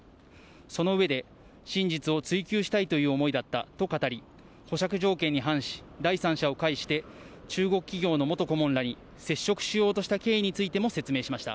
その上で、真実を追究したいという思いだったと語り、保釈条件に反し、第三者を介して中国企業の元顧問らに接触しようとした経緯についても説明しました。